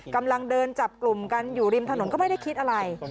กำลังเดินจับกลุ่มกันอยู่ริมถนนก็ไม่ได้คิดอะไร